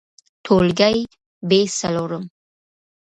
ټولګى : ب څلورم